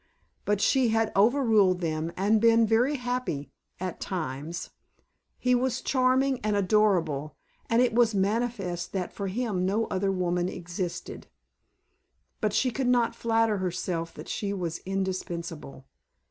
But she had overruled them and been very happy at times. He was charming and adorable and it was manifest that for him no other woman existed. But she could not flatter herself that she was indispensable.